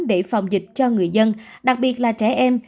để phòng dịch cho người dân đặc biệt là trẻ em